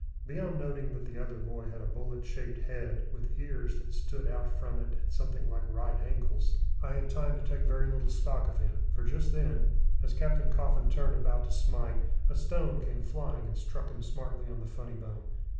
Beyond noting that the other boy had a bullet shaped head with ears that stood out from it at something like right angles, I had time to take very little stock of him; for just then, us Captain Coffin turned about to smite, a stone came flying and struck him smartly on the funny bone.